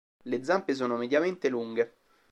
Le zampe sono mediamente lunghe.